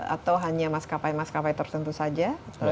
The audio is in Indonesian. atau hanya maskapai maskapai tertentu saja